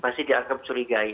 masih dianggap curigai